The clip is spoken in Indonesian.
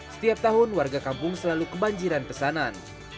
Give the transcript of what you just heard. setiap tahun warga kampung selalu kebanjiran pesanan